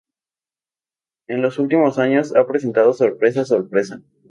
En los últimos años ha presentado "Sorpresa ¡Sorpresa!